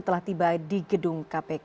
telah tiba di gedung kpk